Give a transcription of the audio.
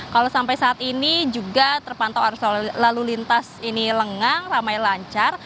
kalau sampai saat ini juga terpantau arus lalu lintas ini lengang ramai lancar